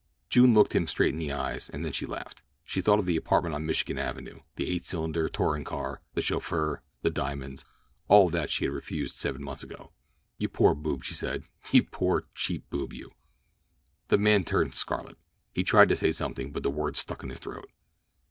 June looked him straight in the eyes, and then she laughed. She thought of the apartment on Michigan Avenue, the eight cylinder touring car, the chauffeur, the diamonds—of all that she had refused seven months ago. "You poor boob," she said. "You poor, cheap boob, you!" The man turned scarlet. He tried to say something, but the words stuck in his throat.